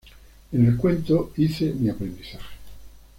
En el cuento hice mi aprendizaje.